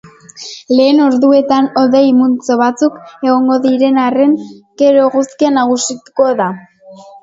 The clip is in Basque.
Lehen orduetan hodei multzo batzuk egongo diren arren, gero eguzkia nagusituko da.